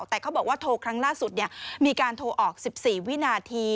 แต่เขาบอกว่าโทรครั้งล่าสุดมีการโทรออก๑๔วินาที